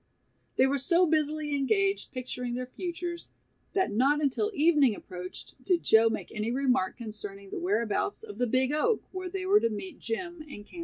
They were so busily engaged picturing their futures, that not until evening approached did Joe make any remark concerning the whereabouts of the "big oak" where they were to meet Jim and Kansas Shorty.